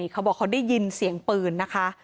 เขาได้ยินเสียงปืนนะคะ